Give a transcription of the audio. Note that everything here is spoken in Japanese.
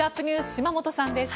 島本さんです。